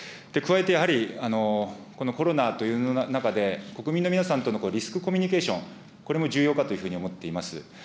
加えて、やはりこのコロナという中で、国民の皆さんとのリスクコミュニケーション、これも重要かというふうに思っております。